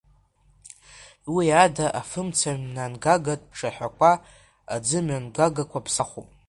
Уи ада афымцамҩангагатә цәаҳәақәа, аӡымҩангагақәа ԥсахуп.